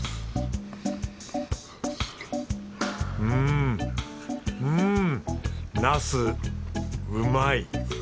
うんうんなすうまい！